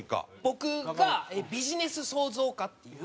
僕がビジネス創造科っていう。